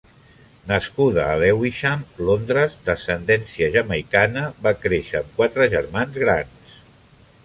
Nascuda a Lewisham (Londres), d'ascendència jamaicana, va créixer amb quatre germans grans.